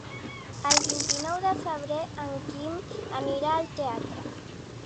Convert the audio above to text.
El vint-i-nou de febrer en Quim anirà al teatre.